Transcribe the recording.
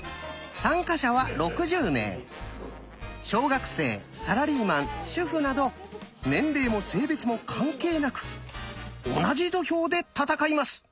小学生サラリーマン主婦など年齢も性別も関係なく同じ土俵で戦います。